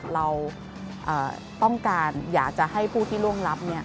เราต้องการอยากจะให้ผู้ที่ล่วงรับ